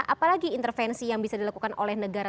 apalagi intervensi yang bisa dilakukan oleh negara